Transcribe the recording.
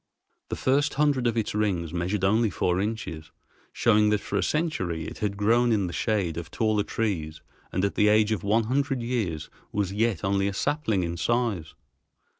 The first hundred of its rings measured only four inches, showing that for a century it had grown in the shade of taller trees and at the age of one hundred years was yet only a sapling in size.